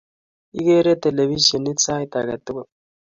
Igeere telefishionit sait age tugul